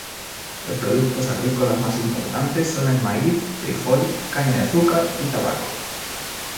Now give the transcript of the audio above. Los productos agrícolas más importantes son el maíz, frijol, caña de azúcar y tabaco.